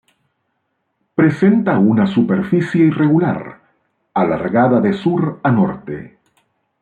Presenta una superficie irregular: alargada de sur a norte.